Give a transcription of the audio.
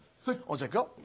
じゃあいくよ。